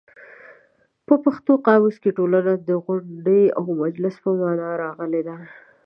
په پښتو قاموس کې ټولنه د غونډې او مجلس په مانا راغلې ده.